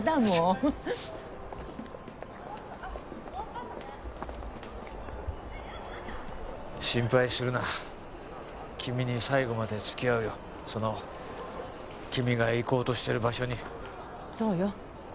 もう心配するな君に最後までつきあうよその君が行こうとしてる場所にそうよ